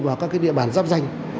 vào các địa bàn giáp danh